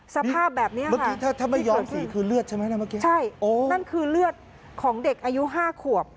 สภาพแบบนี้ค่ะที่ขึ้นขึ้นใช่นั่นคือเลือดของเด็กอายุห้าขวบ